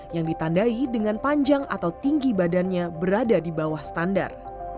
yang ditandai dengan panjang atau tinggi badannya berada di bawah standar